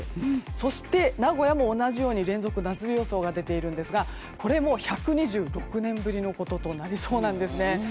そして、名古屋も同じように連続夏日予想が出ているんですがこれも１２６年ぶりのこととなりそうなんですね。